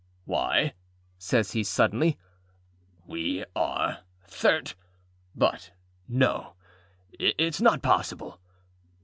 âWhy,â says he, suddenly, âwe are Thirtâ; but no, itâs not possible.